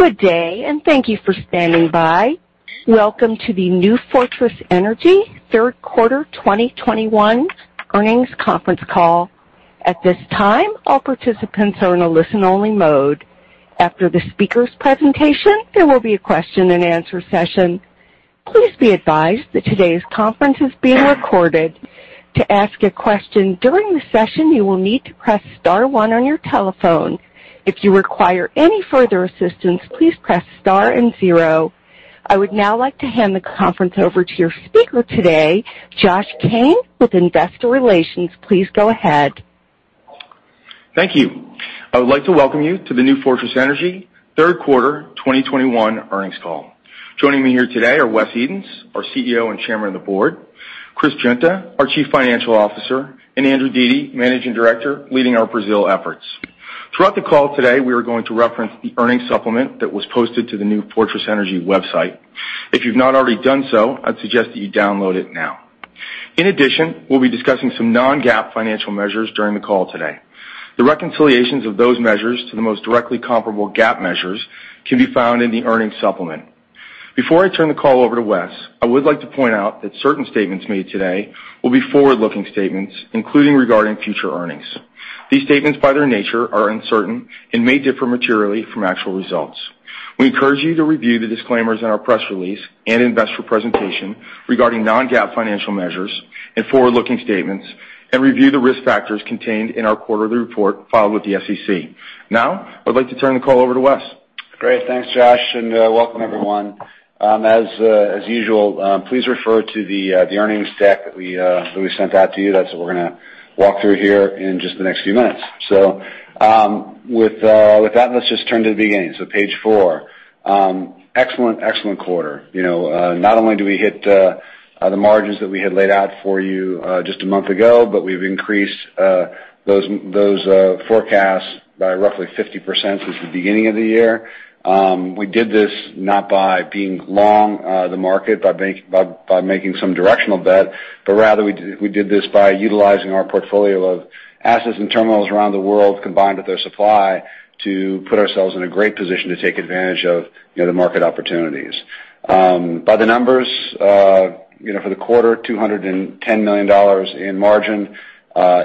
Good day, and thank you for standing by. Welcome to the New Fortress Energy third quarter 2021 earnings conference call. At this time, all participants are in a listen-only mode. After the speaker's presentation, there will be a question-and-answer session. Please be advised that today's conference is being recorded. To ask a question during the session, you will need to press star one on your telephone. If you require any further assistance, please press star and zero. I would now like to hand the conference over to your speaker today, Josh Cain, with Investor Relations. Please go ahead. Thank you. I would like to welcome you to the New Fortress Energy third quarter 2021 earnings call. Joining me here today are Wes Edens, our CEO and Chairman of the Board, Chris Guinta, our Chief Financial Officer, and Andrew Dete, Managing Director, leading our Brazil efforts. Throughout the call today, we are going to reference the earnings supplement that was posted to the New Fortress Energy website. If you've not already done so, I'd suggest that you download it now. In addition, we'll be discussing some non-GAAP financial measures during the call today. The reconciliations of those measures to the most directly comparable GAAP measures can be found in the earnings supplement. Before I turn the call over to Wes, I would like to point out that certain statements made today will be forward-looking statements, including regarding future earnings. These statements, by their nature, are uncertain and may differ materially from actual results. We encourage you to review the disclaimers in our press release and investor presentation regarding non-GAAP financial measures and forward-looking statements, and review the risk factors contained in our quarterly report filed with the SEC. Now, I'd like to turn the call over to Wes. Great. Thanks, Josh, and welcome, everyone. As usual, please refer to the earnings deck that we sent out to you. That's what we're going to walk through here in just the next few minutes. So with that, let's just turn to the beginning. So page four, excellent, excellent quarter. Not only do we hit the margins that we had laid out for you just a month ago, but we've increased those forecasts by roughly 50% since the beginning of the year. We did this not by being long the market, by making some directional bet, but rather we did this by utilizing our portfolio of assets and terminals around the world, combined with their supply, to put ourselves in a great position to take advantage of the market opportunities. By the numbers, for the quarter, $210 million in margin.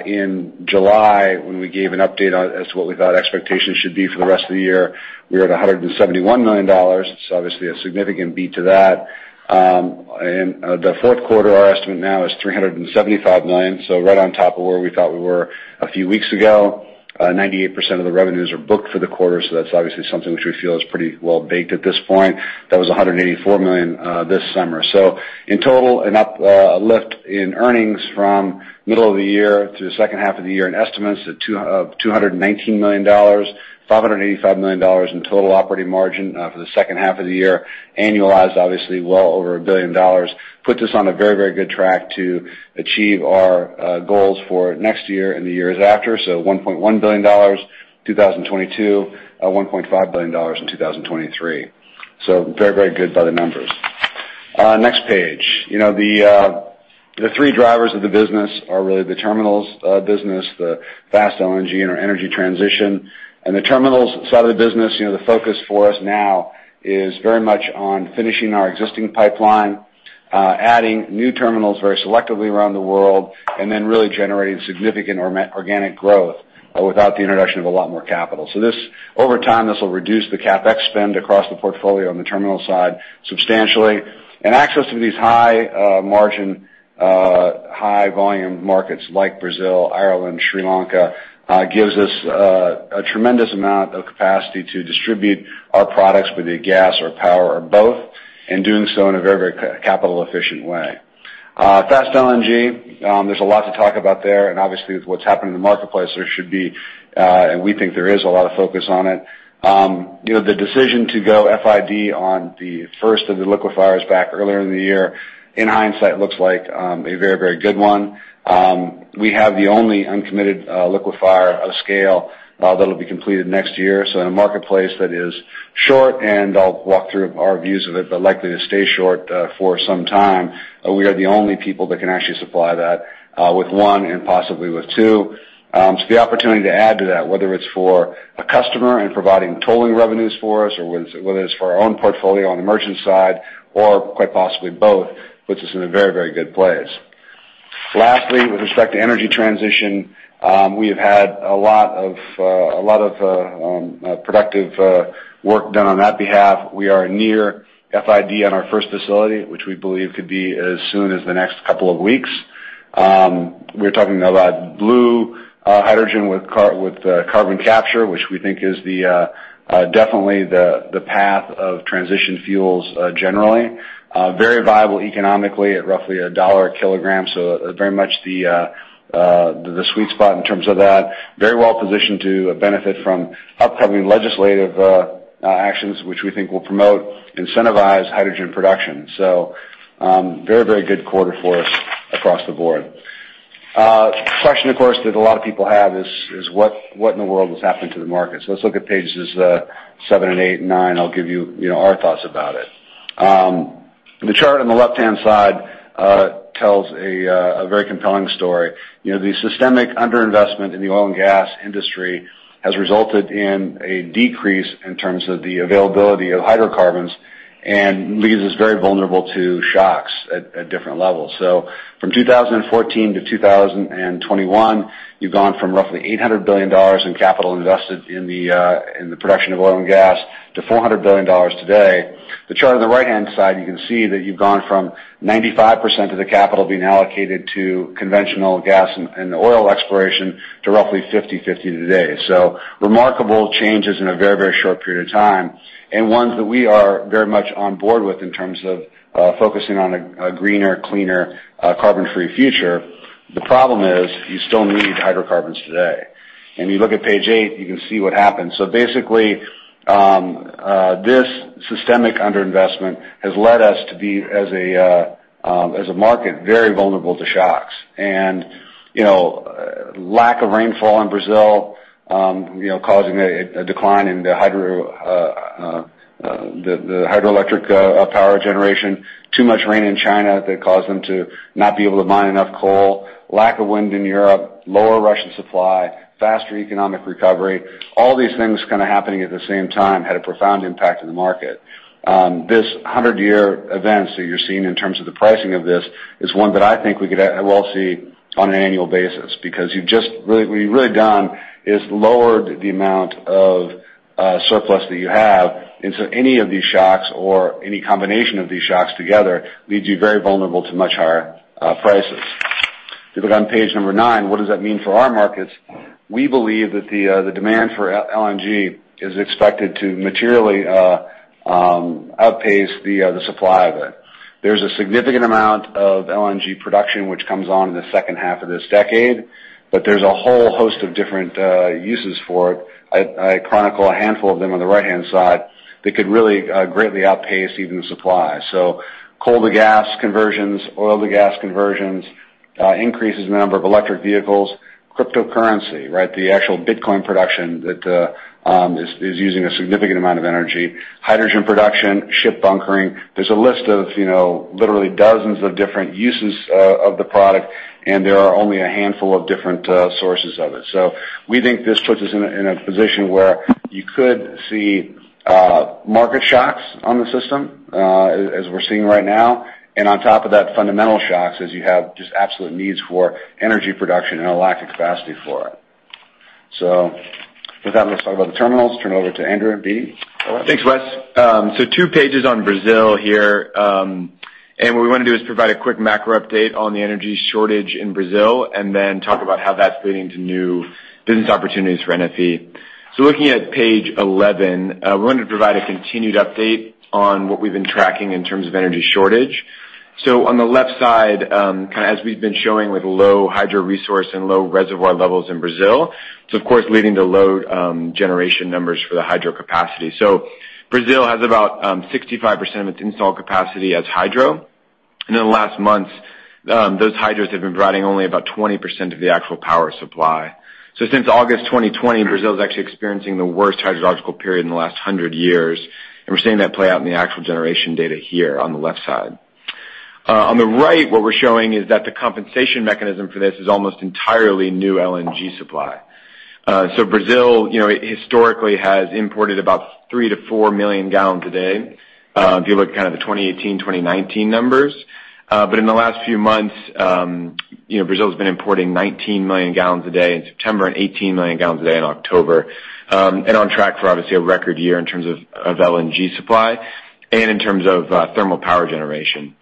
In July, when we gave an update as to what we thought expectations should be for the rest of the year, we were at $171 million. It's obviously a significant beat to that, and the fourth quarter our estimate now is $375 million, so right on top of where we thought we were a few weeks ago. 98% of the revenues are booked for the quarter, so that's obviously something which we feel is pretty well-baked at this point. That was $184 million this summer, so in total a lift in earnings from middle of the year to the second half of the year in estimates of $219 million. $585 million in total operating margin for the second half of the year, annualized, obviously well over $1 billion, puts us on a very, very good track to achieve our goals for next year and the years after. So $1.1 billion in 2022, $1.5 billion in 2023. So very, very good by the numbers. Next page. The three drivers of the business are really the terminals business, the Fast LNG, and our energy transition. And the terminals side of the business, the focus for us now is very much on finishing our existing pipeline, adding new terminals very selectively around the world, and then really generating significant organic growth without the introduction of a lot more capital. So over time, this will reduce the CapEx spend across the portfolio on the terminal side substantially. And access to these high-margin, high-volume markets like Brazil, Ireland, Sri Lanka gives us a tremendous amount of capacity to distribute our products with either gas or power or both, and doing so in a very, very capital-efficient way. Fast LNG, there's a lot to talk about there. Obviously, with what's happened in the marketplace, there should be, and we think there is, a lot of focus on it. The decision to go FID on the first of the liquefiers back earlier in the year, in hindsight, looks like a very, very good one. We have the only uncommitted liquefier of scale that'll be completed next year. In a marketplace that is short, and I'll walk through our views of it, but likely to stay short for some time, we are the only people that can actually supply that with one and possibly with two. The opportunity to add to that, whether it's for a customer and providing tolling revenues for us, or whether it's for our own portfolio on the merchant side, or quite possibly both, puts us in a very, very good place. Lastly, with respect to energy transition, we have had a lot of productive work done on that behalf. We are near FID on our first facility, which we believe could be as soon as the next couple of weeks. We're talking about blue hydrogen with carbon capture, which we think is definitely the path of transition fuels generally. Very viable economically at roughly $1 a kilogram. So very much the sweet spot in terms of that. Very well positioned to benefit from upcoming legislative actions, which we think will promote and incentivize hydrogen production. So very, very good quarter for us across the board. Question, of course, that a lot of people have is, what in the world is happening to the market? So let's look at pages seven and eight and nine. I'll give you our thoughts about it. The chart on the left-hand side tells a very compelling story. The systemic underinvestment in the oil and gas industry has resulted in a decrease in terms of the availability of hydrocarbons and leaves us very vulnerable to shocks at different levels. So from 2014 to 2021, you've gone from roughly $800 billion in capital invested in the production of oil and gas to $400 billion today. The chart on the right-hand side, you can see that you've gone from 95% of the capital being allocated to conventional gas and oil exploration to roughly 50/50 today. So remarkable changes in a very, very short period of time, and ones that we are very much on board with in terms of focusing on a greener, cleaner, carbon-free future. The problem is you still need hydrocarbons today, and you look at page eight, you can see what happened. So basically, this systemic underinvestment has led us to be as a market very vulnerable to shocks. And lack of rainfall in Brazil causing a decline in the hydroelectric power generation, too much rain in China that caused them to not be able to mine enough coal, lack of wind in Europe, lower Russian supply, faster economic recovery. All these things kind of happening at the same time had a profound impact on the market. This 100-year event that you're seeing in terms of the pricing of this is one that I think we could well see on an annual basis because what you've really done is lowered the amount of surplus that you have. And so any of these shocks or any combination of these shocks together leads you very vulnerable to much higher prices. If you look on page number nine, what does that mean for our markets? We believe that the demand for LNG is expected to materially outpace the supply of it. There's a significant amount of LNG production which comes on in the second half of this decade, but there's a whole host of different uses for it. I chronicle a handful of them on the right-hand side that could really greatly outpace even the supply. So coal-to-gas conversions, oil-to-gas conversions, increases in the number of electric vehicles, cryptocurrency, right, the actual Bitcoin production that is using a significant amount of energy, hydrogen production, ship bunkering. There's a list of literally dozens of different uses of the product, and there are only a handful of different sources of it. So we think this puts us in a position where you could see market shocks on the system as we're seeing right now. On top of that, fundamental shocks as you have just absolute needs for energy production and a lack of capacity for it. With that, let's talk about the terminals. Turn it over to Andrew Dete. Thanks, Wes. So two pages on Brazil here. And what we want to do is provide a quick macro update on the energy shortage in Brazil and then talk about how that's leading to new business opportunities for NFE. So looking at page 11, we wanted to provide a continued update on what we've been tracking in terms of energy shortage. So on the left side, kind of as we've been showing with low hydro resource and low reservoir levels in Brazil, it's, of course, leading to low generation numbers for the hydro capacity. So Brazil has about 65% of its installed capacity as hydro. And in the last months, those hydros have been providing only about 20% of the actual power supply. So since August 2020, Brazil is actually experiencing the worst hydrological period in the last 100 years. We're seeing that play out in the actual generation data here on the left side. On the right, what we're showing is that the compensation mechanism for this is almost entirely new LNG supply. Brazil historically has imported about 3-4 million cubic meters a day if you look at kind of the 2018, 2019 numbers. In the last few months, Brazil has been importing 19 million cubic meters a day in September and 18 million cubic meters a day in October, and on track for obviously a record year in terms of LNG supply and in terms of thermal power generation.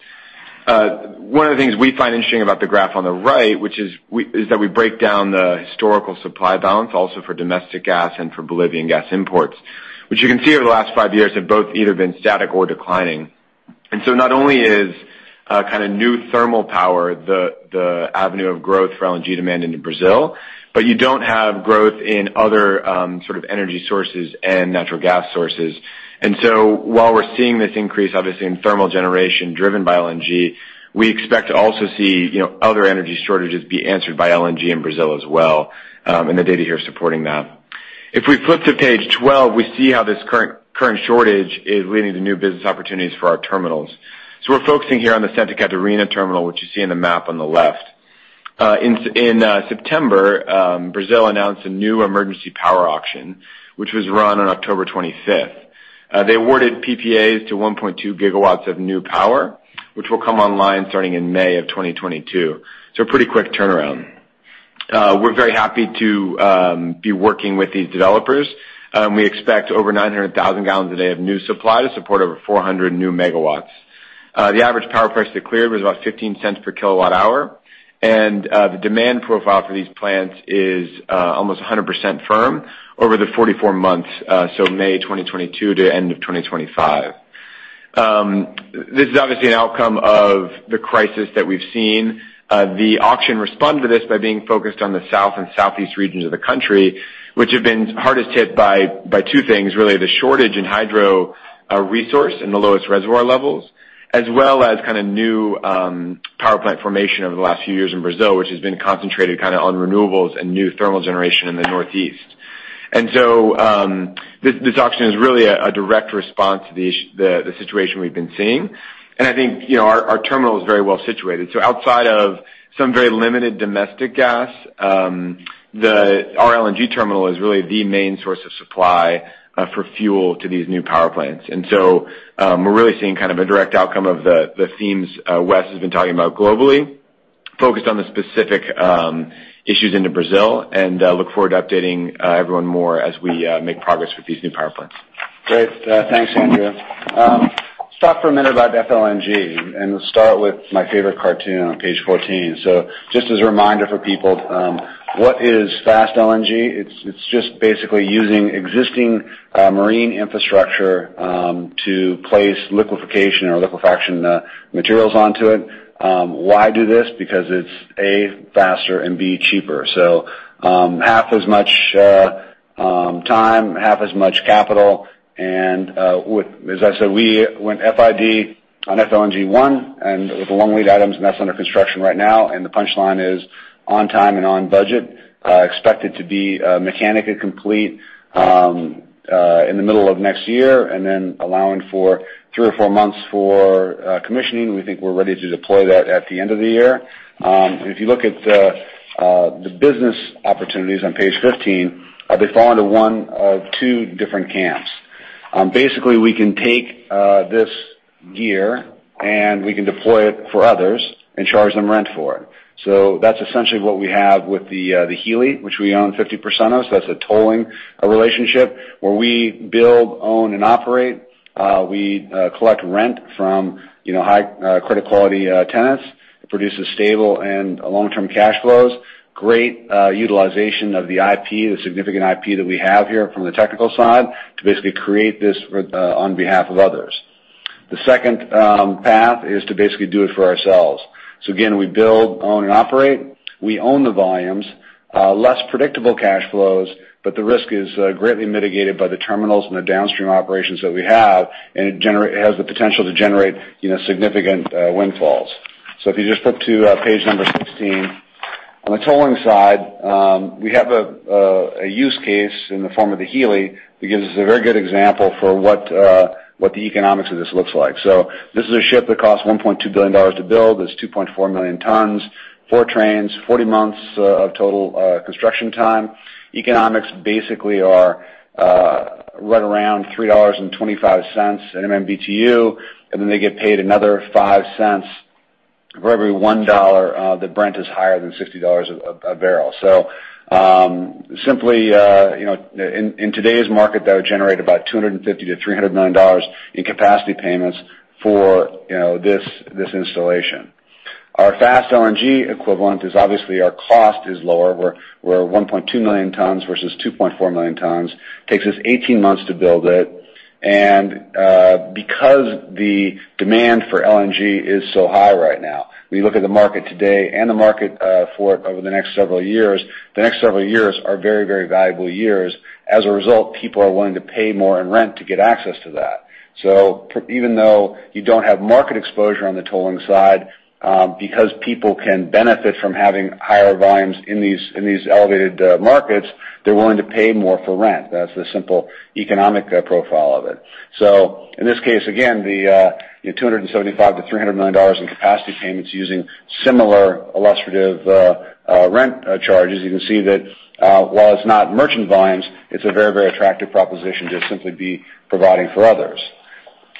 One of the things we find interesting about the graph on the right, which is that we break down the historical supply balance also for domestic gas and for Bolivian gas imports, which you can see over the last five years have both either been static or declining. And so not only is kind of new thermal power the avenue of growth for LNG demand in Brazil, but you don't have growth in other sort of energy sources and natural gas sources. And so while we're seeing this increase, obviously, in thermal generation driven by LNG, we expect to also see other energy shortages be answered by LNG in Brazil as well, and the data here is supporting that. If we flip to page 12, we see how this current shortage is leading to new business opportunities for our terminals. We're focusing here on the Santa Catarina terminal, which you see in the map on the left. In September, Brazil announced a new emergency power auction, which was run on October 25th. They awarded PPAs to 1.2 gigawatts of new power, which will come online starting in May of 2022. A pretty quick turnaround. We're very happy to be working with these developers. We expect over 900,000 gal a day of new supply to support over 400 new megawatts. The average power price that cleared was about $0.15 per kilowatt hour. The demand profile for these plants is almost 100% firm over the 44 months, so May 2022 to end of 2025. This is obviously an outcome of the crisis that we've seen. The auction responded to this by being focused on the South and Southeast regions of the country, which have been hardest hit by two things, really the shortage in hydro resource and the lowest reservoir levels, as well as kind of new power plant formation over the last few years in Brazil, which has been concentrated kind of on renewables and new thermal generation in the Northeast, and so this auction is really a direct response to the situation we've been seeing, and I think our terminal is very well situated, so outside of some very limited domestic gas, our LNG terminal is really the main source of supply for fuel to these new power plants. And so we're really seeing kind of a direct outcome of the themes Wes has been talking about globally, focused on the specific issues into Brazil, and look forward to updating everyone more as we make progress with these new power plants. Great. Thanks, Andrew. Let's talk for a minute about FLNG, and we'll start with my favorite cartoon on page 14. So just as a reminder for people, what is Fast LNG? It's just basically using existing marine infrastructure to place liquefaction or liquefaction materials onto it. Why do this? Because it's A, faster, and B, cheaper. So half as much time, half as much capital. And as I said, we went FID on FLNG 1 and with the long lead items, and that's under construction right now. And the punchline is on time and on budget. Expect it to be mechanically complete in the middle of next year. And then allowing for three or four months for commissioning, we think we're ready to deploy that at the end of the year. And if you look at the business opportunities on page 15, they fall into one of two different camps. Basically, we can take this gear and we can deploy it for others and charge them rent for it. So that's essentially what we have with the Hilli, which we own 50% of. So that's a tolling relationship where we build, own, and operate. We collect rent from high-credit quality tenants. It produces stable and long-term cash flows. Great utilization of the IP, the significant IP that we have here from the technical side to basically create this on behalf of others. The second path is to basically do it for ourselves. So again, we build, own, and operate. We own the volumes, less predictable cash flows, but the risk is greatly mitigated by the terminals and the downstream operations that we have, and it has the potential to generate significant windfalls. If you just flip to page number 16, on the tolling side, we have a use case in the form of the Hilli that gives us a very good example for what the economics of this looks like. This is a ship that costs $1.2 billion to build. It's 2.4 million tons, four trains, 40 months of total construction time. Economics basically are right around $3.25 an MMBtu, and then they get paid another 5 cents for every $1 that Brent is higher than $60 a barrel. Simply, in today's market, that would generate about $250 million-$300 million in capacity payments for this installation. Our Fast LNG equivalent is obviously our cost is lower. We're 1.2 million tons versus 2.4 million tons. It takes us 18 months to build it. And because the demand for LNG is so high right now, when you look at the market today and the market for it over the next several years, the next several years are very, very valuable years. As a result, people are willing to pay more in rent to get access to that. So even though you don't have market exposure on the tolling side, because people can benefit from having higher volumes in these elevated markets, they're willing to pay more for rent. That's the simple economic profile of it. So in this case, again, the $275 million-$300 million in capacity payments using similar illustrative rent charges, you can see that while it's not merchant volumes, it's a very, very attractive proposition to simply be providing for others.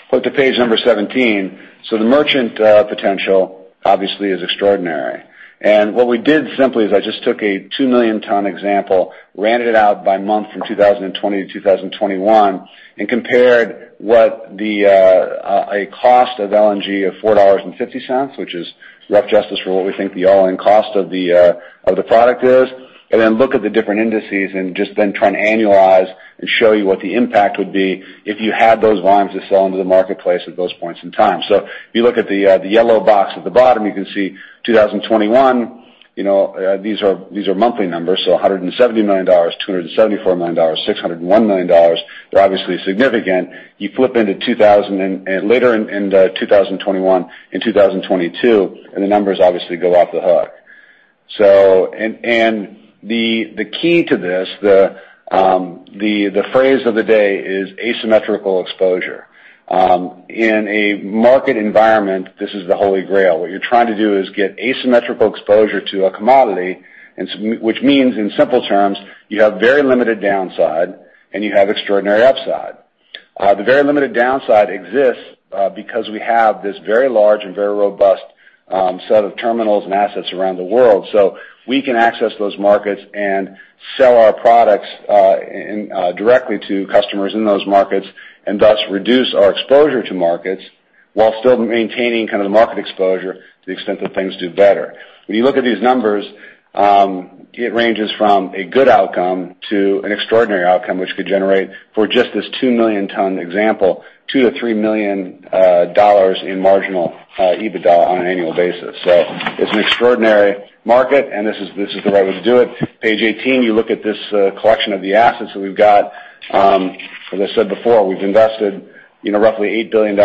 Flip to page number 17. So the merchant potential obviously is extraordinary. What we did simply is I just took a two million-ton example, ran it out by month from 2020 to 2021, and compared what the cost of LNG of $4.50, which is rough justice for what we think the all-in cost of the product is, and then look at the different indices and just then try and annualize and show you what the impact would be if you had those volumes to sell into the marketplace at those points in time. If you look at the yellow box at the bottom, you can see 2021, these are monthly numbers. $170 million, $274 million, $601 million. They're obviously significant. You flip into later in 2021 and 2022, and the numbers obviously go off the hook. The key to this, the phrase of the day is asymmetrical exposure. In a market environment, this is the Holy Grail. What you're trying to do is get asymmetrical exposure to a commodity, which means in simple terms, you have very limited downside and you have extraordinary upside. The very limited downside exists because we have this very large and very robust set of terminals and assets around the world. So we can access those markets and sell our products directly to customers in those markets and thus reduce our exposure to markets while still maintaining kind of the market exposure to the extent that things do better. When you look at these numbers, it ranges from a good outcome to an extraordinary outcome, which could generate for just this two million-ton example, $2 million-$3 million in marginal EBITDA on an annual basis. So it's an extraordinary market, and this is the right way to do it. Page 18, you look at this collection of the assets that we've got. As I said before, we've invested roughly $8 billion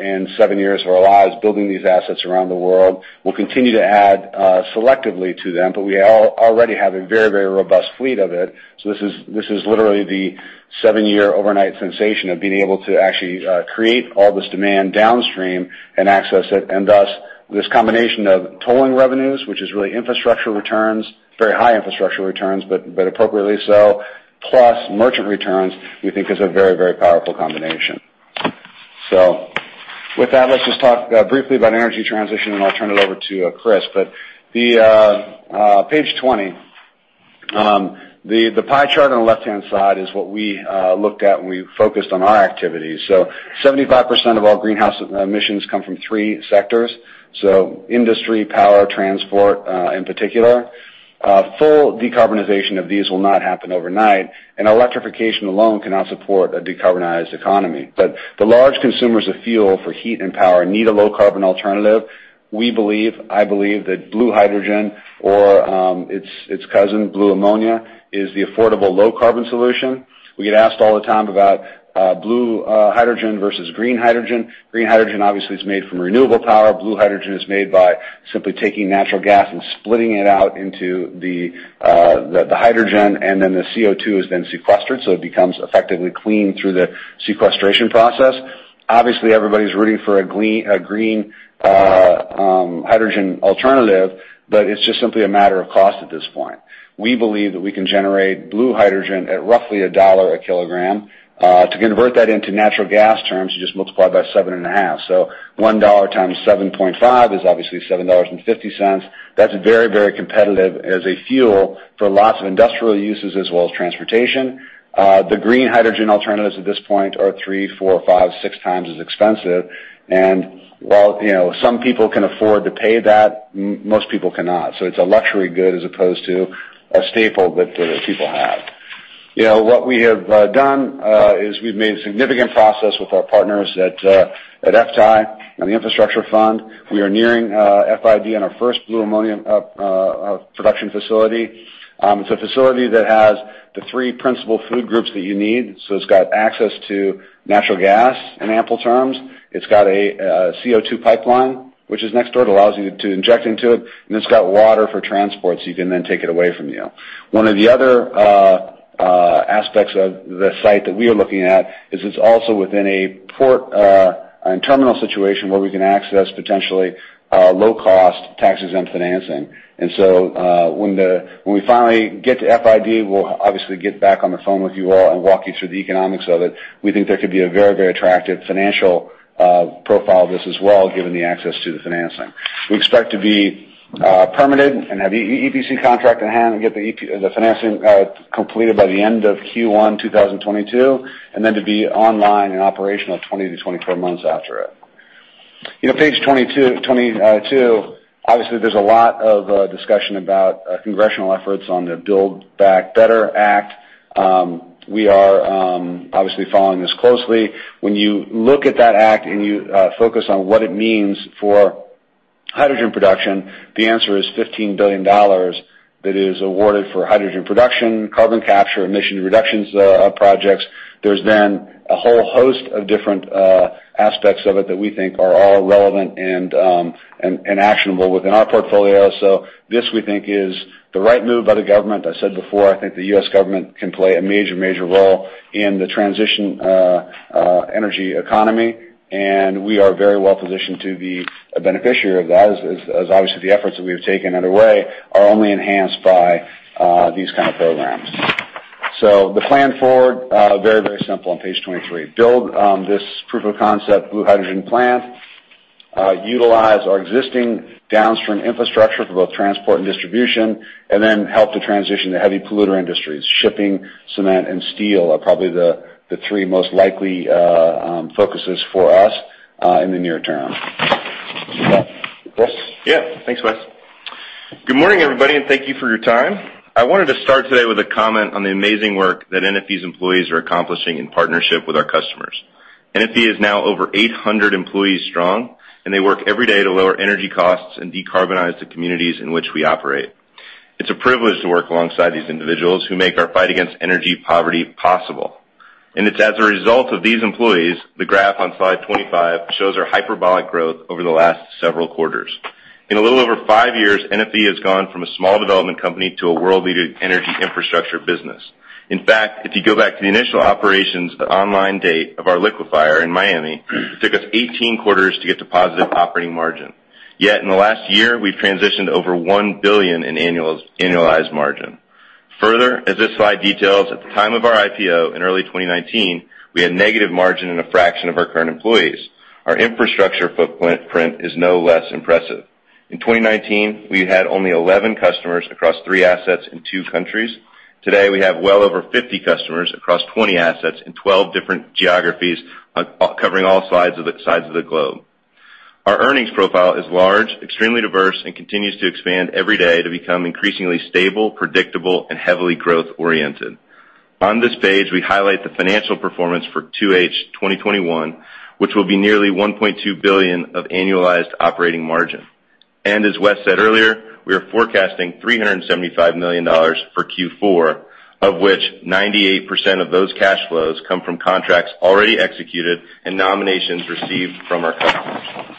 in seven years of our lives building these assets around the world. We'll continue to add selectively to them, but we already have a very, very robust fleet of it. So this is literally the seven-year overnight sensation of being able to actually create all this demand downstream and access it. And thus, this combination of tolling revenues, which is really infrastructure returns, very high infrastructure returns, but appropriately so, plus merchant returns, we think is a very, very powerful combination. So with that, let's just talk briefly about energy transition, and I'll turn it over to Chris. But page 20, the pie chart on the left-hand side is what we looked at when we focused on our activities. 75% of all greenhouse emissions come from three sectors: industry, power, transport in particular. Full decarbonization of these will not happen overnight, and electrification alone cannot support a decarbonized economy. The large consumers of fuel for heat and power need a low-carbon alternative. We believe, I believe that blue hydrogen or its cousin, blue ammonia, is the affordable low-carbon solution. We get asked all the time about blue hydrogen versus green hydrogen. Green hydrogen obviously is made from renewable power. Blue hydrogen is made by simply taking natural gas and splitting it out into the hydrogen, and then the CO2 is then sequestered. It becomes effectively clean through the sequestration process. Obviously, everybody's rooting for a green hydrogen alternative, but it's just simply a matter of cost at this point. We believe that we can generate blue hydrogen at roughly $1 a kilogram. To convert that into natural gas terms, you just multiply by 7.5. So $1 x 7.5 is obviously $7.50. That's very, very competitive as a fuel for lots of industrial uses as well as transportation. The green hydrogen alternatives at this point are three, four, five, six times as expensive. And while some people can afford to pay that, most people cannot. So it's a luxury good as opposed to a staple that people have. What we have done is we've made a significant progress with our partners at FTAI and the Infrastructure Fund. We are nearing FID on our first blue ammonia production facility. It's a facility that has the three principal food groups that you need. So it's got access to natural gas in ample terms. It's got a CO2 pipeline, which is next door. It allows you to inject into it. And it's got water for transport so you can then take it away from you. One of the other aspects of the site that we are looking at is it's also within a port and terminal situation where we can access potentially low-cost tax-exempt financing. And so when we finally get to FID, we'll obviously get back on the phone with you all and walk you through the economics of it. We think there could be a very, very attractive financial profile of this as well, given the access to the financing. We expect to be permitted and have the EPC contract in hand and get the financing completed by the end of Q1 2022, and then to be online and operational 20-24 months after it. Page 22, obviously, there's a lot of discussion about congressional efforts on the Build Back Better Act. We are obviously following this closely. When you look at that act and you focus on what it means for hydrogen production, the answer is $15 billion that is awarded for hydrogen production, carbon capture, emission reduction projects. There's then a whole host of different aspects of it that we think are all relevant and actionable within our portfolio. So this, we think, is the right move by the government. I said before, I think the U.S. government can play a major, major role in the transition energy economy. And we are very well positioned to be a beneficiary of that, as obviously the efforts that we have taken underway are only enhanced by these kind of programs. So the plan forward, very, very simple on page 23. Build this proof of concept blue hydrogen plant, utilize our existing downstream infrastructure for both transport and distribution, and then help to transition the heavy polluter industries. Shipping, cement, and steel are probably the three most likely focuses for us in the near term. Chris? Yeah. Thanks, Wes. Good morning, everybody, and thank you for your time. I wanted to start today with a comment on the amazing work that NFE's employees are accomplishing in partnership with our customers. NFE is now over 800 employees strong, and they work every day to lower energy costs and decarbonize the communities in which we operate. It's a privilege to work alongside these individuals who make our fight against energy poverty possible, and it's as a result of these employees, the graph on slide 25 shows our hyperbolic growth over the last several quarters. In a little over five years, NFE has gone from a small development company to a world-leading energy infrastructure business. In fact, if you go back to the initial operations, the online date of our liquefier in Miami, it took us 18 quarters to get to positive operating margin. Yet in the last year, we've transitioned over $1 billion in annualized margin. Further, as this slide details, at the time of our IPO in early 2019, we had negative margin in a fraction of our current employees. Our infrastructure footprint is no less impressive. In 2019, we had only 11 customers across three assets in two countries. Today, we have well over 50 customers across 20 assets in 12 different geographies, covering all sides of the globe. Our earnings profile is large, extremely diverse, and continues to expand every day to become increasingly stable, predictable, and heavily growth-oriented. On this page, we highlight the financial performance for Q3 2021, which will be nearly $1.2 billion of annualized operating margin. As Wes said earlier, we are forecasting $375 million for Q4, of which 98% of those cash flows come from contracts already executed and nominations received from our customers.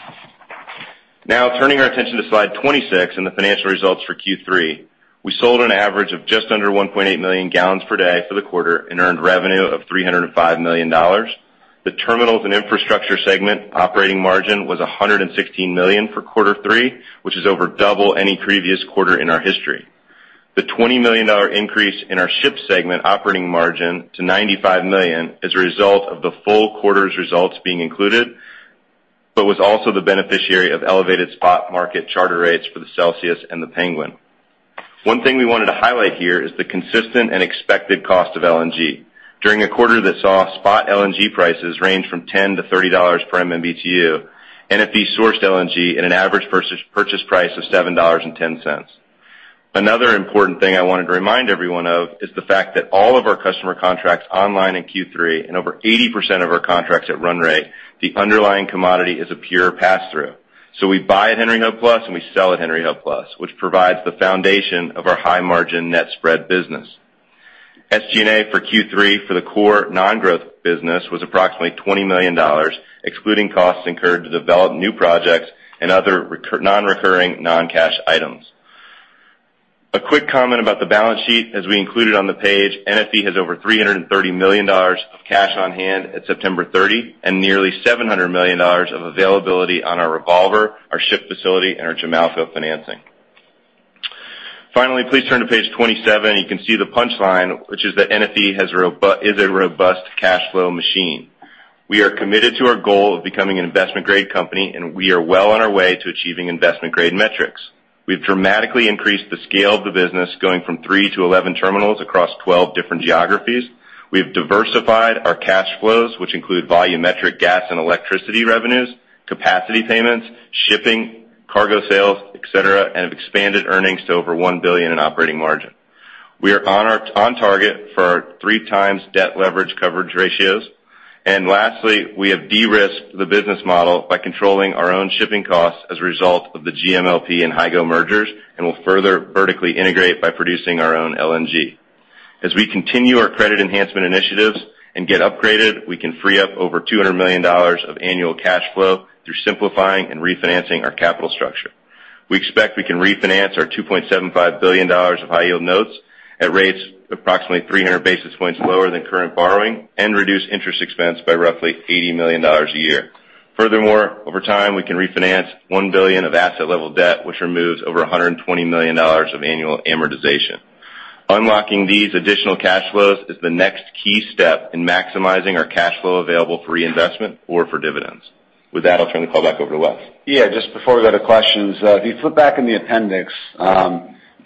Now, turning our attention to slide 26 and the financial results for Q3, we sold an average of just under 1.8 million gallons per day for the quarter and earned revenue of $305 million. The terminals and infrastructure segment operating margin was $116 million for quarter three, which is over double any previous quarter in our history. The $20 million increase in our ship segment operating margin to $95 million is a result of the full quarter's results being included, but was also the beneficiary of elevated spot market charter rates for the Celsius and the Penguin. One thing we wanted to highlight here is the consistent and expected cost of LNG. During a quarter that saw spot LNG prices range from $10-$30 per MMBtu, NFE sourced LNG at an average purchase price of $7.10. Another important thing I wanted to remind everyone of is the fact that all of our customer contracts online in Q3, and over 80% of our contracts at run rate, the underlying commodity is a pure pass-through. So we buy at Henry Hub Plus and we sell at Henry Hub Plus, which provides the foundation of our high-margin net spread business. SG&A for Q3 for the core non-growth business was approximately $20 million, excluding costs incurred to develop new projects and other non-recurring non-cash items. A quick comment about the balance sheet, as we included on the page, NFE has over $330 million of cash on hand at September 30 and nearly $700 million of availability on our revolver, our ship facility, and our Jamaica financing. Finally, please turn to page 27. You can see the punchline, which is that NFE is a robust cash flow machine. We are committed to our goal of becoming an investment-grade company, and we are well on our way to achieving investment-grade metrics. We've dramatically increased the scale of the business, going from three to 11 terminals across 12 different geographies. We've diversified our cash flows, which include volumetric gas and electricity revenues, capacity payments, shipping, cargo sales, etc., and have expanded earnings to over one billion in operating margin. We are on target for our three-times debt leverage coverage ratios. And lastly, we have de-risked the business model by controlling our own shipping costs as a result of the GMLP and Hygo mergers and will further vertically integrate by producing our own LNG. As we continue our credit enhancement initiatives and get upgraded, we can free up over $200 million of annual cash flow through simplifying and refinancing our capital structure. We expect we can refinance our $2.75 billion of high-yield notes at rates approximately 300 basis points lower than current borrowing and reduce interest expense by roughly $80 million a year. Furthermore, over time, we can refinance $1 billion of asset-level debt, which removes over $120 million of annual amortization. Unlocking these additional cash flows is the next key step in maximizing our cash flow available for reinvestment or for dividends. With that, I'll turn the call back over to Wes. Yeah. Just before we go to questions, if you flip back in the appendix,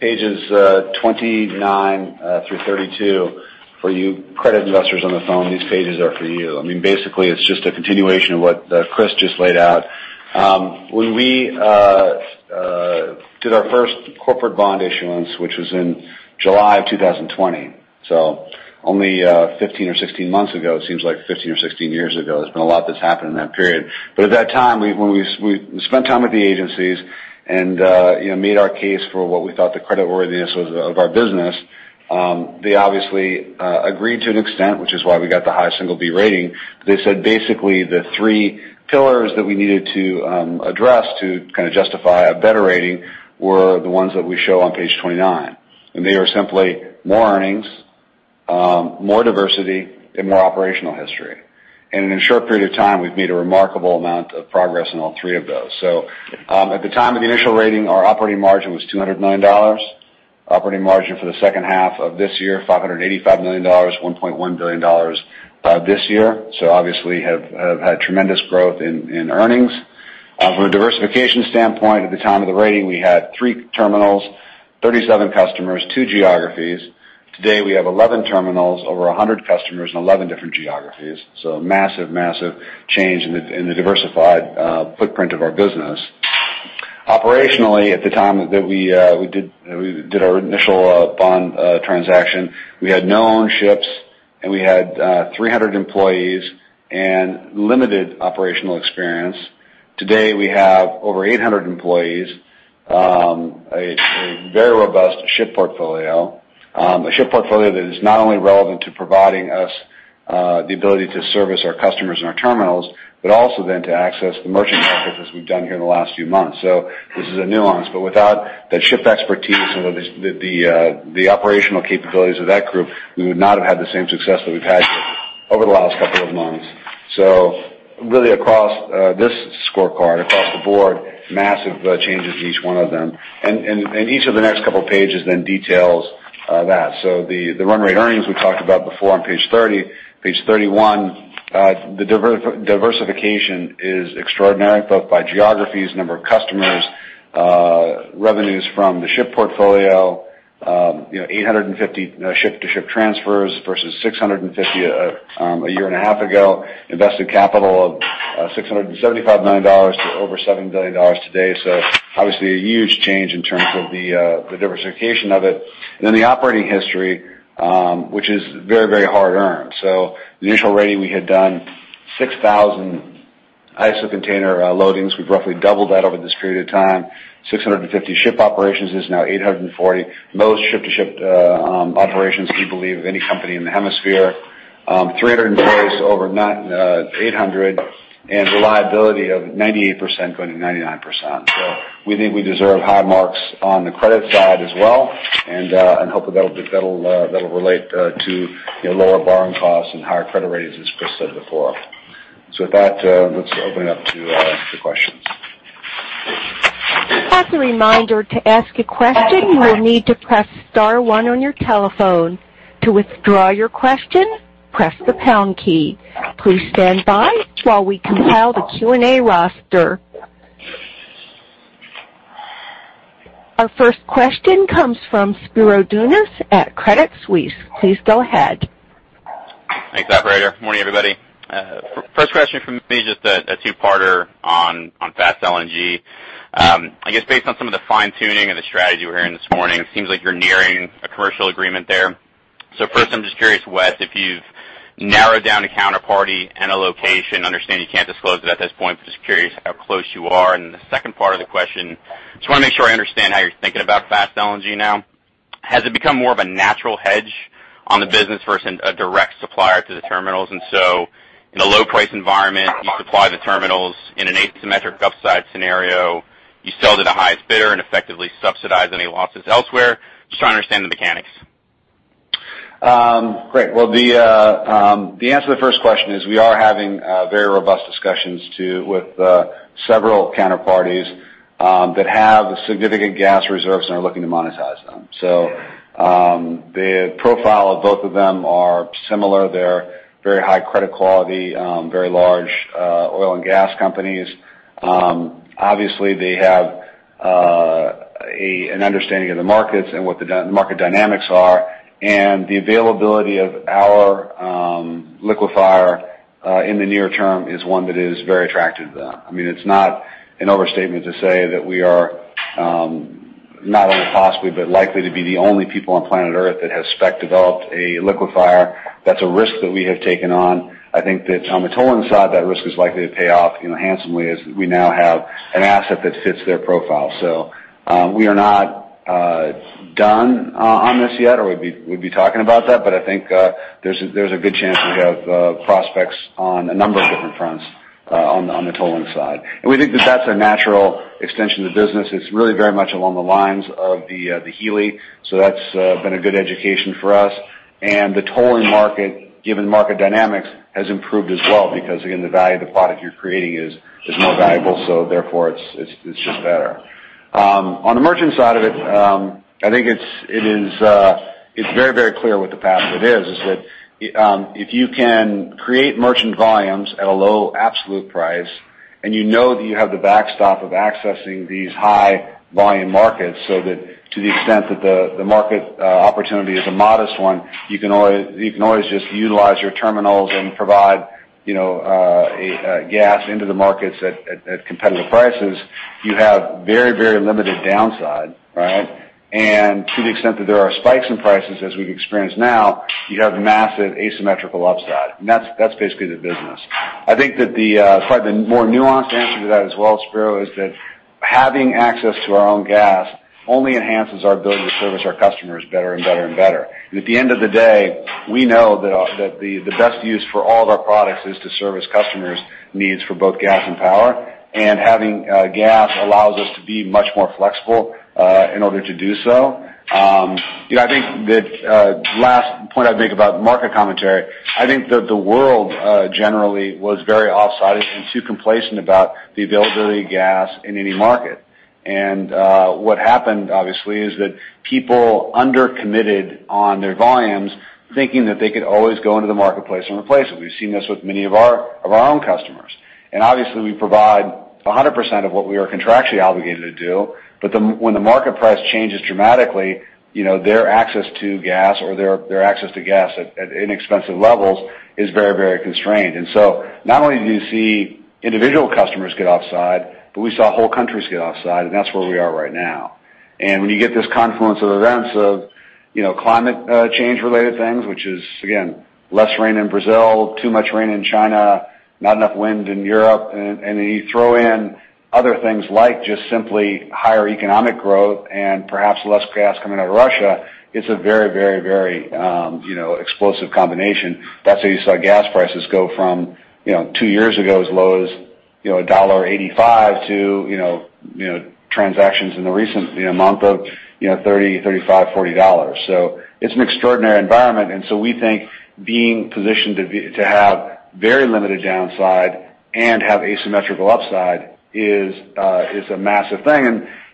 pages 29 through 32, for you, credit investors on the phone, these pages are for you. I mean, basically, it's just a continuation of what Chris just laid out. When we did our first corporate bond issuance, which was in July of 2020, so only 15 or 16 months ago, it seems like 15 or 16 years ago, there's been a lot that's happened in that period. But at that time, when we spent time with the agencies and made our case for what we thought the creditworthiness was of our business, they obviously agreed to an extent, which is why we got the high single B rating. They said basically the three pillars that we needed to address to kind of justify a better rating were the ones that we show on page 29. They are simply more earnings, more diversity, and more operational history. In a short period of time, we've made a remarkable amount of progress in all three of those. At the time of the initial rating, our operating margin was $200 million. Operating margin for the second half of this year, $585 million, $1.1 billion this year. Obviously, we have had tremendous growth in earnings. From a diversification standpoint, at the time of the rating, we had three terminals, 37 customers, two geographies. Today, we have 11 terminals, over 100 customers in 11 different geographies. Massive, massive change in the diversified footprint of our business. Operationally, at the time that we did our initial bond transaction, we had no own ships, and we had 300 employees and limited operational experience. Today, we have over 800 employees, a very robust ship portfolio, a ship portfolio that is not only relevant to providing us the ability to service our customers and our terminals, but also then to access the merchant markets as we've done here in the last few months. So this is a nuance. But without that ship expertise and the operational capabilities of that group, we would not have had the same success that we've had here over the last couple of months. So really, across this scorecard, across the board, massive changes in each one of them, and each of the next couple of pages then details that. So the run rate earnings we talked about before on page 30, page 31, the diversification is extraordinary, both by geographies, number of customers, revenues from the ship portfolio, 850 ship-to-ship transfers versus 650 a year and a half ago, invested capital of $675 million to over $7 billion today. So obviously, a huge change in terms of the diversification of it. And then the operating history, which is very, very hard-earned. So the initial rating we had done 6,000 ISO container loadings. We've roughly doubled that over this period of time. 650 ship operations is now 840. Most ship-to-ship operations, we believe, of any company in the hemisphere, 300 employees to over 800, and reliability of 98% going to 99%. So we think we deserve high marks on the credit side as well. And hopefully, that'll relate to lower borrowing costs and higher credit ratings, as Chris said before. So with that, let's open it up to questions. As a reminder to ask a question, you will need to press star one on your telephone. To withdraw your question, press the pound key. Please stand by while we compile the Q&A roster. Our first question comes from Spiro Dounis at Credit Suisse. Please go ahead. Thanks, Operator. Good morning, everybody. First question for me, just a two-parter on fast LNG. I guess based on some of the fine-tuning of the strategy we're hearing this morning, it seems like you're nearing a commercial agreement there. So first, I'm just curious, Wes, if you've narrowed down a counterparty and a location. I understand you can't disclose it at this point, but just curious how close you are. And the second part of the question, just want to make sure I understand how you're thinking about fast LNG now. Has it become more of a natural hedge on the business versus a direct supplier to the terminals? And so in a low-price environment, you supply the terminals in an asymmetric upside scenario, you sell to the highest bidder and effectively subsidize any losses elsewhere. Just trying to understand the mechanics. Great. Well, the answer to the first question is we are having very robust discussions with several counterparties that have significant gas reserves and are looking to monetize them. So the profile of both of them are similar. They're very high credit quality, very large oil and gas companies. Obviously, they have an understanding of the markets and what the market dynamics are. And the availability of our liquefier in the near term is one that is very attractive to them. I mean, it's not an overstatement to say that we are not only possibly, but likely to be the only people on planet Earth that have spec-developed a liquefier. That's a risk that we have taken on. I think that on the tolling side, that risk is likely to pay off handsomely as we now have an asset that fits their profile. So we are not done on this yet, or we'd be talking about that. But I think there's a good chance we have prospects on a number of different fronts on the tolling side. And we think that that's a natural extension of the business. It's really very much along the lines of the Hilli. So that's been a good education for us. And the tolling market, given market dynamics, has improved as well because, again, the value of the product you're creating is more valuable. So therefore, it's just better. On the merchant side of it, I think it's very, very clear what the path it is, is that if you can create merchant volumes at a low absolute price and you know that you have the backstop of accessing these high-volume markets so that to the extent that the market opportunity is a modest one, you can always just utilize your terminals and provide gas into the markets at competitive prices, you have very, very limited downside, right? And to the extent that there are spikes in prices, as we've experienced now, you have massive asymmetrical upside. And that's basically the business. I think that the more nuanced answer to that as well, Spiro, is that having access to our own gas only enhances our ability to service our customers better and better and better. And at the end of the day, we know that the best use for all of our products is to service customers' needs for both gas and power. And having gas allows us to be much more flexible in order to do so. I think that last point I'd make about market commentary, I think that the world generally was very offsided and too complacent about the availability of gas in any market. And what happened, obviously, is that people undercommitted on their volumes, thinking that they could always go into the marketplace and replace it. We've seen this with many of our own customers. And obviously, we provide 100% of what we are contractually obligated to do. But when the market price changes dramatically, their access to gas or their access to gas at inexpensive levels is very, very constrained. And so not only do you see individual customers get offside, but we saw whole countries get offside. And that's where we are right now. And when you get this confluence of events of climate change-related things, which is, again, less rain in Brazil, too much rain in China, not enough wind in Europe, and then you throw in other things like just simply higher economic growth and perhaps less gas coming out of Russia, it's a very, very, very explosive combination. That's how you saw gas prices go from two years ago as low as $1.85 to transactions in the recent month of $30, $35, $40. So it's an extraordinary environment. And so we think being positioned to have very limited downside and have asymmetrical upside is a massive thing.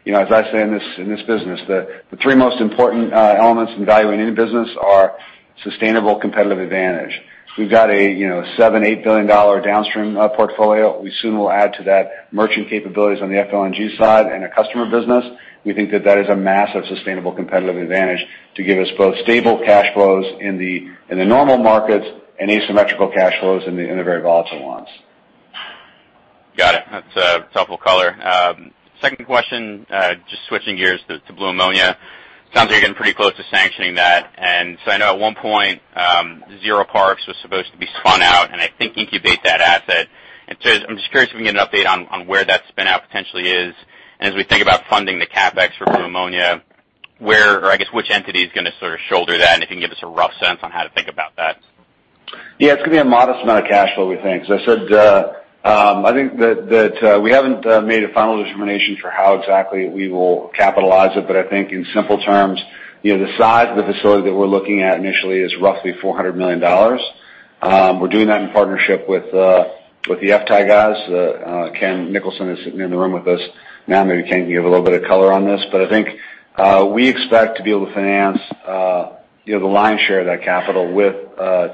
And as I say in this business, the three most important elements in valuing any business are sustainable competitive advantage. We've got a $7 billion-$8 billion downstream portfolio. We soon will add to that merchant capabilities on the FLNG side and a customer business. We think that that is a massive sustainable competitive advantage to give us both stable cash flows in the normal markets and asymmetrical cash flows in the very volatile ones. Got it. That's helpful color. Second question, just switching gears to Blue Ammonia. Sounds like you're getting pretty close to sanctioning that. And so I know at one point, Zero Parks was supposed to be spun out and I think incubate that asset. And so I'm just curious if we can get an update on where that spin-out potentially is. And as we think about funding the CapEx for Blue Ammonia, where or I guess which entity is going to sort of shoulder that and if you can give us a rough sense on how to think about that? Yeah. It's going to be a modest amount of cash flow, we think. As I said, I think that we haven't made a final determination for how exactly we will capitalize it. But I think in simple terms, the size of the facility that we're looking at initially is roughly $400 million. We're doing that in partnership with the FTAI guys. Ken Nicholson is sitting in the room with us now. Maybe Ken can give a little bit of color on this. But I think we expect to be able to finance the lion's share of that capital with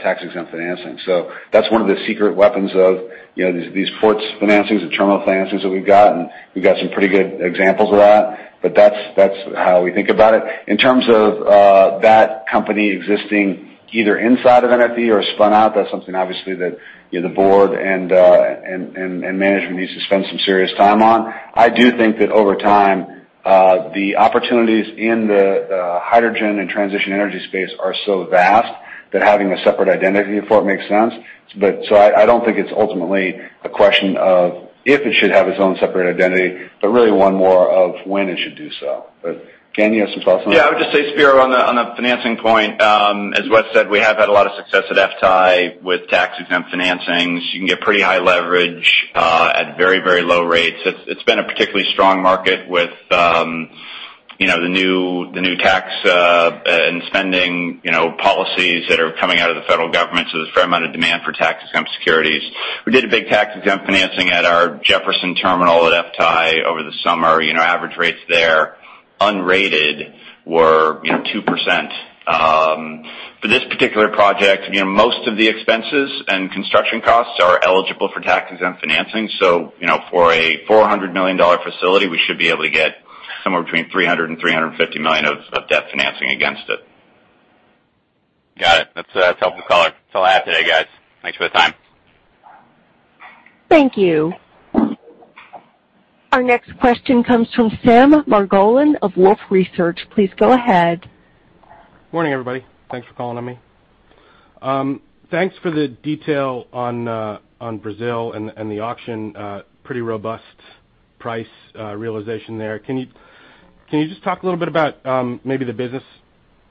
tax-exempt financing. So that's one of the secret weapons of these ports financings and terminal financings that we've got. And we've got some pretty good examples of that. But that's how we think about it. In terms of that company existing either inside of NFE or spun out, that's something obviously that the board and management needs to spend some serious time on. I do think that over time, the opportunities in the hydrogen and transition energy space are so vast that having a separate identity for it makes sense. But so I don't think it's ultimately a question of if it should have its own separate identity, but really one more of when it should do so. But Ken, you have some thoughts on that? Yeah. I would just say, Spiro, on the financing point, as Wes said, we have had a lot of success at FTAI with tax-exempt financings. You can get pretty high leverage at very, very low rates. It's been a particularly strong market with the new tax and spending policies that are coming out of the federal government. So there's a fair amount of demand for tax-exempt securities. We did a big tax-exempt financing at our Jefferson terminal at FTAI over the summer. Average rates there, unrated, were 2%. For this particular project, most of the expenses and construction costs are eligible for tax-exempt financing. So for a $400 million facility, we should be able to get somewhere between $300 million and $350 million of debt financing against it. Got it. That's helpful color. That's all I have today, guys. Thanks for the time. Thank you. Our next question comes from Sam Margolin of Wolfe Research. Please go ahead. Morning, everybody. Thanks for calling on me. Thanks for the detail on Brazil and the auction. Pretty robust price realization there. Can you just talk a little bit about maybe the business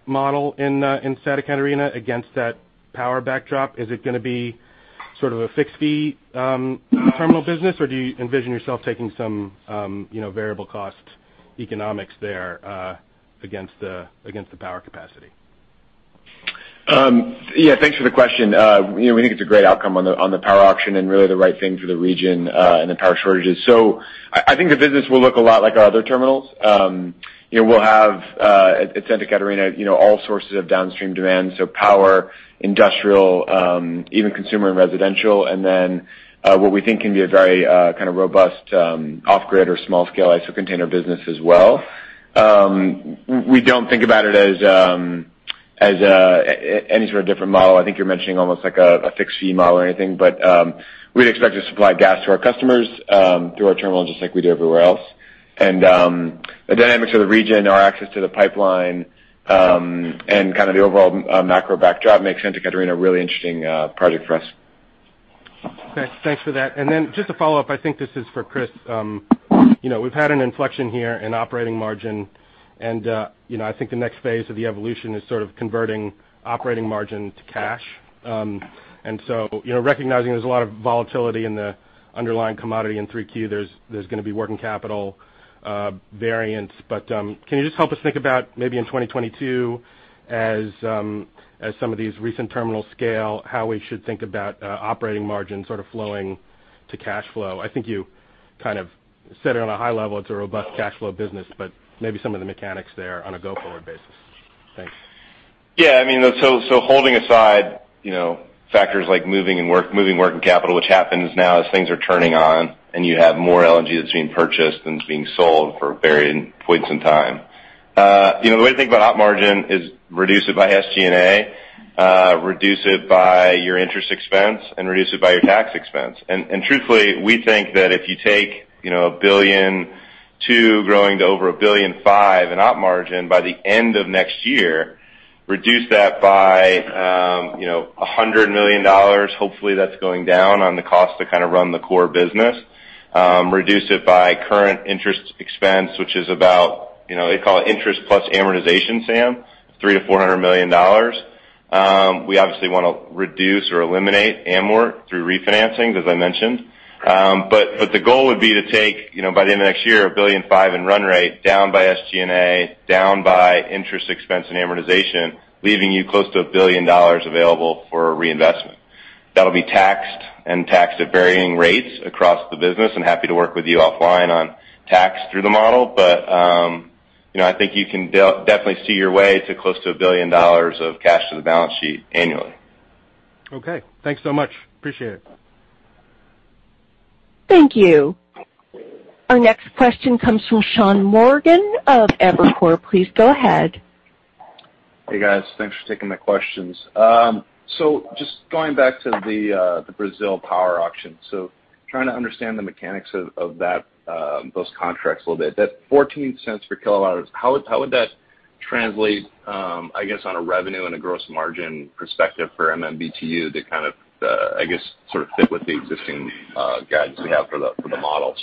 model in Santa Catarina against that power backdrop? Is it going to be sort of a fixed-fee terminal business, or do you envision yourself taking some variable cost economics there against the power capacity? Yeah. Thanks for the question. We think it's a great outcome on the power auction and really the right thing for the region and the power shortages. So I think the business will look a lot like our other terminals. We'll have at Santa Catarina all sources of downstream demand. So power, industrial, even consumer and residential. And then what we think can be a very kind of robust off-grid or small-scale ISO container business as well. We don't think about it as any sort of different model. I think you're mentioning almost like a fixed-fee model or anything. But we'd expect to supply gas to our customers through our terminal, just like we do everywhere else. And the dynamics of the region, our access to the pipeline, and kind of the overall macro backdrop make Santa Catarina a really interesting project for us. Okay. Thanks for that. And then just to follow up, I think this is for Chris. We've had an inflection here in operating margin. And I think the next phase of the evolution is sort of converting operating margin to cash. And so recognizing there's a lot of volatility in the underlying commodity in 3Q, there's going to be working capital variances. But can you just help us think about maybe in 2022, as some of these recent terminals scale, how we should think about operating margin sort of flowing to cash flow? I think you kind of said it on a high level. It's a robust cash flow business, but maybe some of the mechanics there on a go-forward basis. Thanks. Yeah. I mean, so holding aside factors like moving working capital, which happens now as things are turning on and you have more LNG that's being purchased than being sold for varying points in time. The way to think about op margin is reduce it by SG&A, reduce it by your interest expense, and reduce it by your tax expense. Truthfully, we think that if you take $1.2 billion growing to over $1.5 billion in op margin by the end of next year, reduce that by $100 million. Hopefully, that's going down on the cost to kind of run the core business. Reduce it by current interest expense, which is about, they call it interest plus amortization, Sam, $300 million-$400 million. We obviously want to reduce or eliminate amort through refinancing, as I mentioned. The goal would be to take by the end of next year $1.5 billion in run rate down by SG&A, down by interest expense and amortization, leaving you close to $1 billion available for reinvestment. That'll be taxed at varying rates across the business. Happy to work with you offline on tax through the model. I think you can definitely see your way to close to $1 billion of cash to the balance sheet annually. Okay. Thanks so much. Appreciate it. Thank you. Our next question comes from Sean Morgan of Evercore. Please go ahead. Hey, guys. Thanks for taking my questions. So just going back to the Brazil power auction, so trying to understand the mechanics of those contracts a little bit. That $0.14 per kilowatt, how would that translate, I guess, on a revenue and a gross margin perspective for MMBtu to kind of, I guess, sort of fit with the existing guidance we have for the models?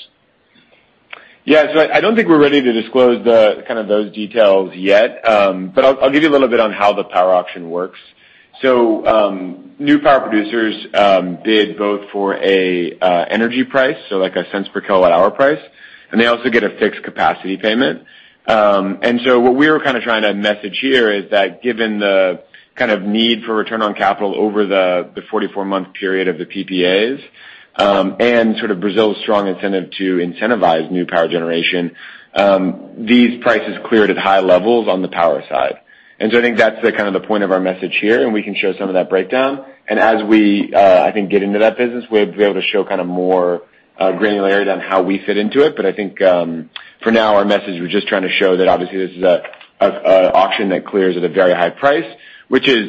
Yeah. So I don't think we're ready to disclose kind of those details yet. But I'll give you a little bit on how the power auction works. So new power producers bid both for an energy price, so like a cents per kilowatt-hour price. And they also get a fixed capacity payment. And so what we were kind of trying to message here is that given the kind of need for return on capital over the 44-month period of the PPAs and sort of Brazil's strong incentive to incentivize new power generation, these prices cleared at high levels on the power side. And so I think that's kind of the point of our message here. And we can show some of that breakdown. And as we, I think, get into that business, we'll be able to show kind of more granularity on how we fit into it. But I think for now, our message, we're just trying to show that obviously this is an auction that clears at a very high price, which is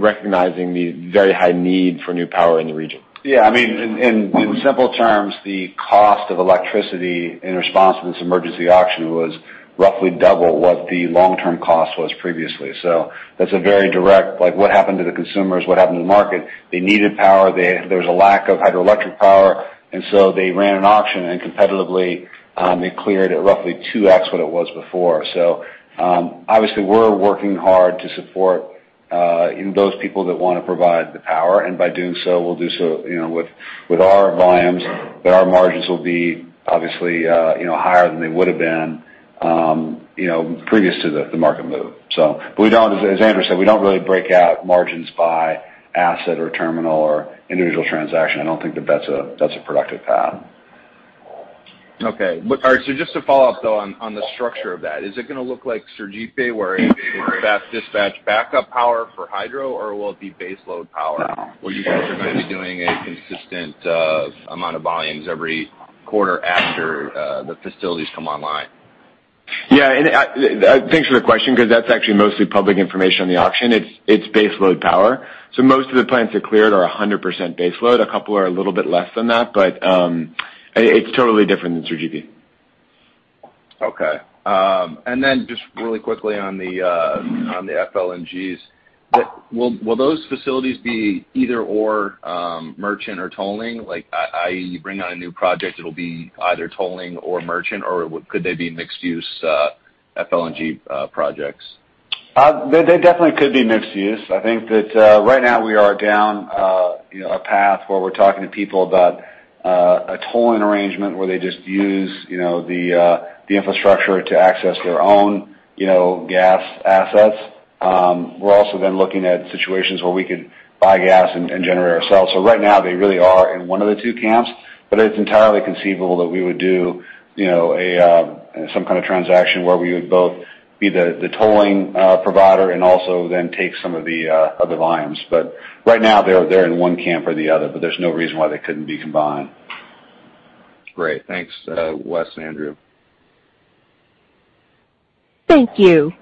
recognizing the very high need for new power in the region. Yeah. I mean, in simple terms, the cost of electricity in response to this emergency auction was roughly double what the long-term cost was previously. So that's a very direct, like what happened to the consumers, what happened to the market. They needed power. There was a lack of hydroelectric power. And so they ran an auction and competitively they cleared at roughly 2x what it was before. So obviously, we're working hard to support those people that want to provide the power. And by doing so, we'll do so with our volumes. But our margins will be obviously higher than they would have been previous to the market move. But as Andrew said, we don't really break out margins by asset or terminal or individual transaction. I don't think that that's a productive path. Okay. All right. So just to follow up, though, on the structure of that, is it going to look like Sergipe where it's fast dispatch backup power for hydro, or will it be base load power? No. Where you guys are going to be doing a consistent amount of volumes every quarter after the facilities come online? Yeah. And thanks for the question because that's actually mostly public information on the auction. It's base load power. So most of the plants that cleared are 100% base load. A couple are a little bit less than that. But it's totally different than Sergipe. Okay. And then just really quickly on the FLNGs, will those facilities be either/or merchant or tolling? I mean, you bring on a new project, it'll be either tolling or merchant, or could they be mixed-use FLNG projects? They definitely could be mixed-use. I think that right now we are down a path where we're talking to people about a tolling arrangement where they just use the infrastructure to access their own gas assets. We're also then looking at situations where we could buy gas and generate ourselves. So right now, they really are in one of the two camps. But it's entirely conceivable that we would do some kind of transaction where we would both be the tolling provider and also then take some of the volumes. But right now, they're in one camp or the other. But there's no reason why they couldn't be combined. Great. Thanks, Wes and Andrew. Thank you.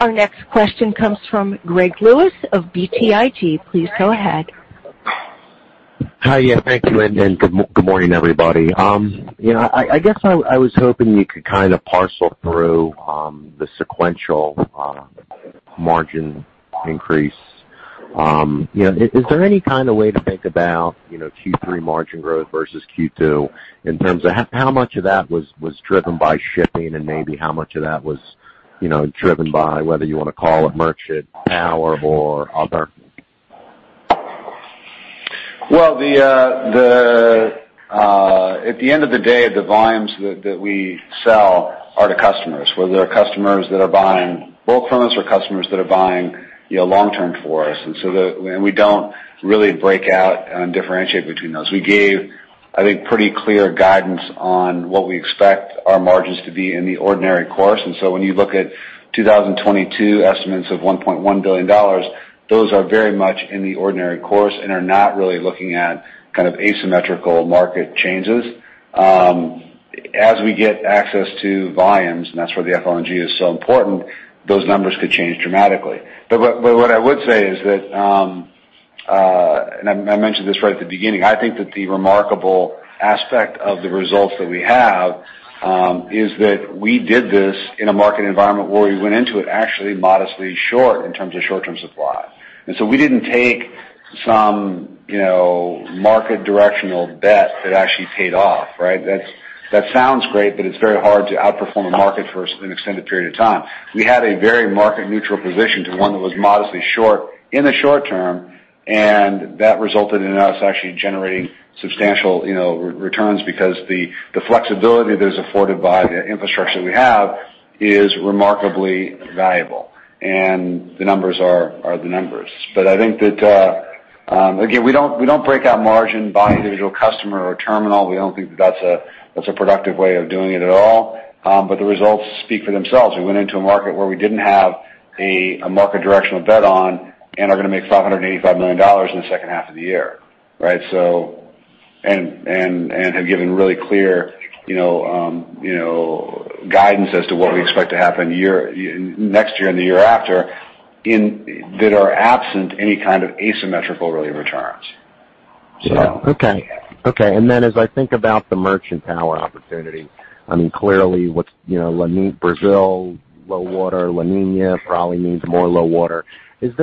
Our next question comes from Greg Lewis of BTIG. Please go ahead. Hi. Yeah. Thank you. And then good morning, everybody. I guess I was hoping you could kind of parse through the sequential margin increase. Is there any kind of way to think about Q3 margin growth versus Q2 in terms of how much of that was driven by shipping and maybe how much of that was driven by whether you want to call it merchant, power, or other? At the end of the day, the volumes that we sell are to customers, whether they're customers that are buying bulk from us or customers that are buying long-term for us. We don't really break out and differentiate between those. We gave, I think, pretty clear guidance on what we expect our margins to be in the ordinary course. When you look at 2022 estimates of $1.1 billion, those are very much in the ordinary course and are not really looking at kind of asymmetrical market changes. As we get access to volumes, and that's where the FLNG is so important, those numbers could change dramatically. But what I would say is that, and I mentioned this right at the beginning, I think that the remarkable aspect of the results that we have is that we did this in a market environment where we went into it actually modestly short in terms of short-term supply. And so we didn't take some market directional bet that actually paid off, right? That sounds great, but it's very hard to outperform a market for an extended period of time. We had a very market-neutral position to one that was modestly short in the short term. And that resulted in us actually generating substantial returns because the flexibility that is afforded by the infrastructure that we have is remarkably valuable. And the numbers are the numbers. But I think that, again, we don't break out margin by individual customer or terminal. We don't think that that's a productive way of doing it at all. But the results speak for themselves. We went into a market where we didn't have a market directional bet on and are going to make $585 million in the second half of the year, right? And have given really clear guidance as to what we expect to happen next year and the year after that are absent any kind of asymmetrical, really, returns. Okay. And then as I think about the merchant power opportunity, I mean, clearly, El Niño, Brazil, low water, La Niña probably needs more low water. And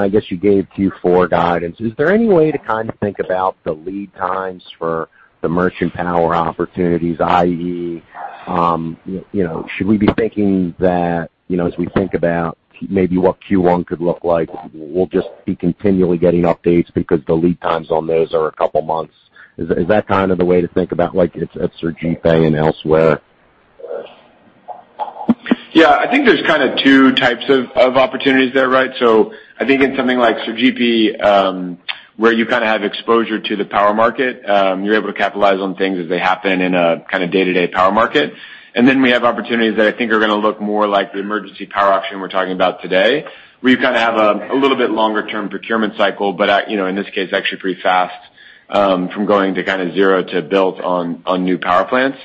I guess you gave Q4 guidance. Is there any way to kind of think about the lead times for the merchant power opportunities, i.e., should we be thinking that as we think about maybe what Q1 could look like, we'll just be continually getting updates because the lead times on those are a couple of months? Is that kind of the way to think about it's Sergipe and elsewhere? Yeah. I think there's kind of two types of opportunities there, right? So I think in something like Sergipe, where you kind of have exposure to the power market, you're able to capitalize on things as they happen in a kind of day-to-day power market. And then we have opportunities that I think are going to look more like the emergency power auction we're talking about today, where you kind of have a little bit longer-term procurement cycle, but in this case, actually pretty fast from going to kind of zero to built on new power plants.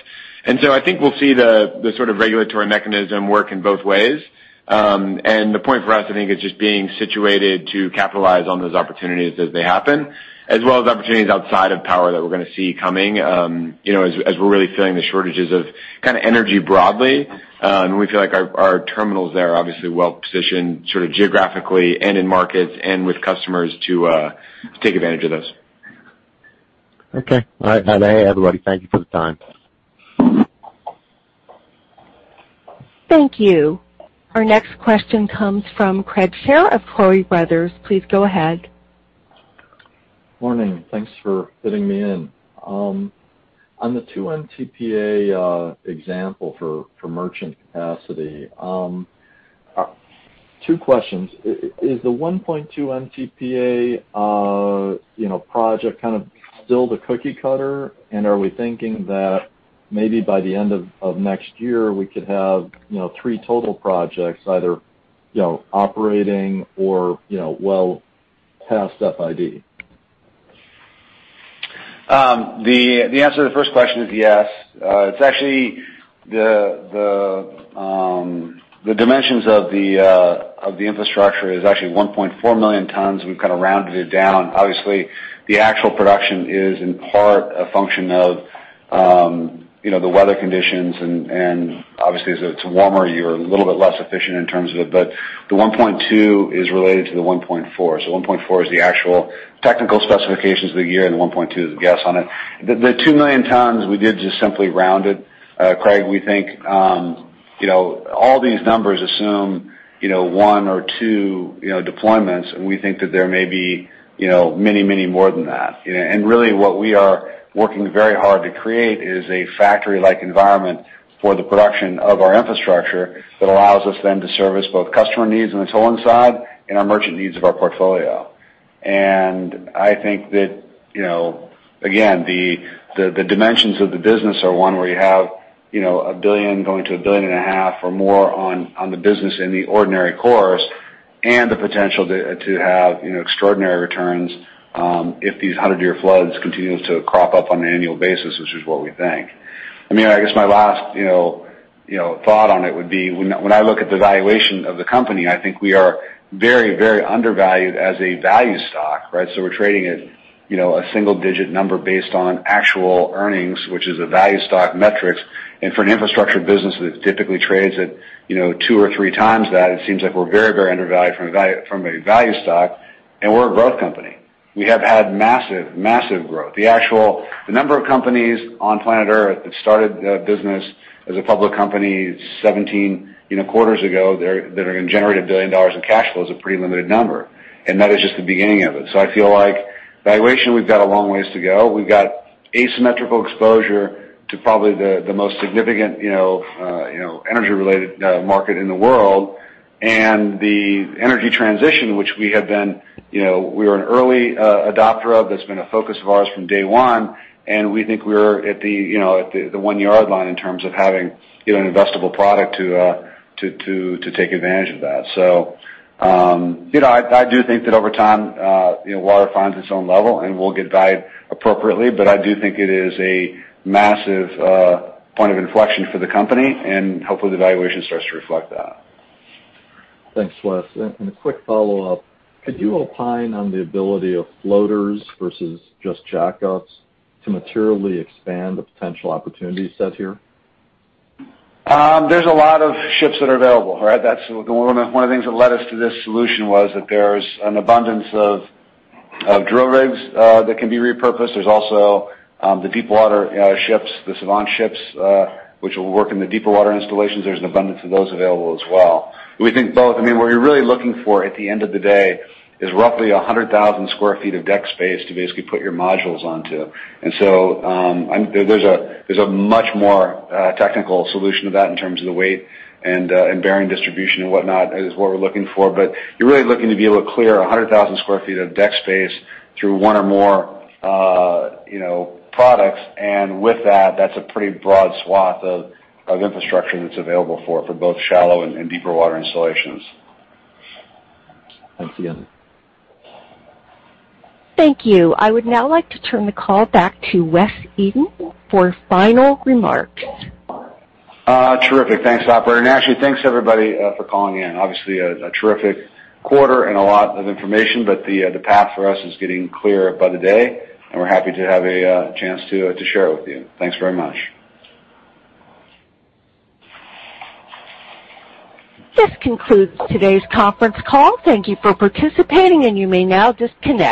And so I think we'll see the sort of regulatory mechanism work in both ways. The point for us, I think, is just being situated to capitalize on those opportunities as they happen, as well as opportunities outside of power that we're going to see coming as we're really filling the shortages of kind of energy broadly. We feel like our terminals there are obviously well-positioned sort of geographically and in markets and with customers to take advantage of those. Okay. All right. Have a good day, everybody. Thank you for the time. Thank you. Our next question comes from Craig Shere of Tuohy Brothers. Please go ahead. Morning. Thanks for fitting me in. On the 2 MTPA example for merchant capacity, two questions. Is the 1.2 MTPA project kind of still the cookie cutter, and are we thinking that maybe by the end of next year, we could have three total projects either operating or well past FID? The answer to the first question is yes. The dimensions of the infrastructure is actually 1.4 million tons. We've kind of rounded it down. Obviously, the actual production is in part a function of the weather conditions, and obviously, as it's warmer, you're a little bit less efficient in terms of it, but the 1.2 is related to the 1.4, so 1.4 is the actual technical specifications of the year, and the 1.2 is the guess on it. The 2 million tons, we did just simply round it. Craig, we think all these numbers assume one or two deployments, and we think that there may be many, many more than that. And really, what we are working very hard to create is a factory-like environment for the production of our infrastructure that allows us then to service both customer needs on the tolling side and our merchant needs of our portfolio. And I think that, again, the dimensions of the business are one where you have $1 billion going to $1.5 billion or more on the business in the ordinary course and the potential to have extraordinary returns if these 100-year floods continue to crop up on an annual basis, which is what we think. I mean, I guess my last thought on it would be when I look at the valuation of the company, I think we are very, very undervalued as a value stock, right? So we're trading at a single-digit number based on actual earnings, which is a value stock metric. For an infrastructure business that typically trades at two or three times that, it seems like we're very, very undervalued from a value stock. We're a growth company. We have had massive, massive growth. The number of companies on planet Earth that started the business as a public company 17 quarters ago that are going to generate $1 billion in cash flow is a pretty limited number. That is just the beginning of it. So I feel like valuation, we've got a long ways to go. We've got asymmetrical exposure to probably the most significant energy-related market in the world. The energy transition, which we were an early adopter of, that's been a focus of ours from day one. We think we're at the one-yard line in terms of having an investable product to take advantage of that. So I do think that over time, water finds its own level, and we'll get valued appropriately. But I do think it is a massive point of inflection for the company. And hopefully, the valuation starts to reflect that. Thanks, Wes. And a quick follow-up. Could you opine on the ability of floaters versus just jack-ups to materially expand the potential opportunity set here? There's a lot of ships that are available, right? One of the things that led us to this solution was that there's an abundance of drill rigs that can be repurposed. There's also the deep water ships, the Savant ships, which will work in the deeper water installations. There's an abundance of those available as well. We think both. I mean, what you're really looking for at the end of the day is roughly 100,000 sq ft of deck space to basically put your modules onto. And so there's a much more technical solution to that in terms of the weight and bearing distribution and whatnot is what we're looking for. But you're really looking to be able to clear 100,000 sq ft of deck space through one or more products. And with that, that's a pretty broad swath of infrastructure that's available for both shallow and deeper water installations. Thanks you. Thank you. I would now like to turn the call back to Wes Edens for final remarks. Terrific. Thanks, operator. And actually, thanks, everybody, for calling in. Obviously, a terrific quarter and a lot of information. But the path for us is getting clearer by the day. And we're happy to have a chance to share it with you. Thanks very much. This concludes today's conference call. Thank you for participating, and you may now disconnect.